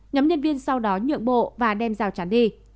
nhóm nhân viên sau đó nhượng bộ và đem rào chắn đi